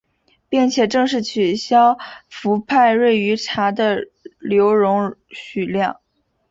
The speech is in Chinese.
并且正式取消氟派瑞于茶的留容许量。